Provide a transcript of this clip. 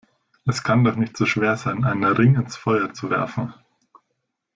Es kann doch nicht so schwer sein, einen Ring ins Feuer zu werfen!